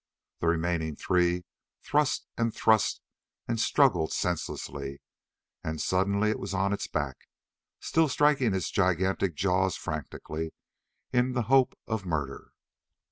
The remaining three thrust and thrust and struggled senselessly, and suddenly it was on its back, still striking its gigantic jaws frantically in the hope of murder.